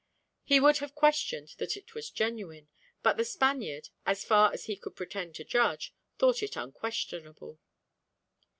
He would have questioned that it was genuine, but the Spaniard, as far as he could pretend to judge, thought it unquestionable.